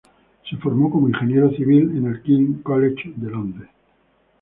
Se formó como ingeniero civil en el King's College de Londres.